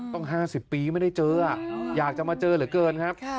ต้องห้าสิบปีไม่ได้เจออ่ะอยากจะมาเจอเหลือเกินครับ